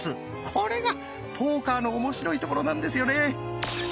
これがポーカーの面白いところなんですよね！